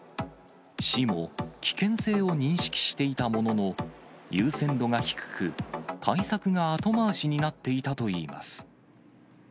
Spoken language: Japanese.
市も危険性を認識していたものの、優先度が低く、対策が後回しになっていたといいます。